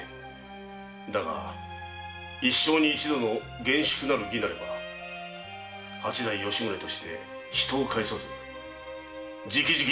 だが一生に一度の厳粛なる儀なれば八代・吉宗として人を介さず直々に伝えたい。